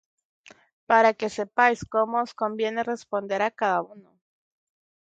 para que sepáis cómo os conviene responder á cada uno.